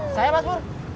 saya mas pur